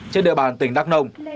trên địa bàn tỉnh đắk nông